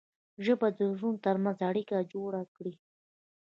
ژبه د زړونو ترمنځ اړیکه جوړه کړي